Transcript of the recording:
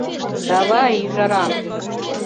— Давай, Ӱжара!..